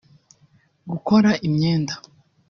gukora imyenda